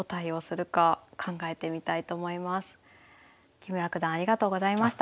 木村九段ありがとうございました。